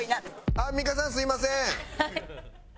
アンミカさんすみません。